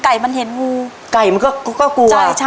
ไก่มันก็กลัว